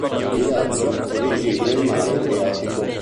Dal villaggio è visibile il mare Adriatico.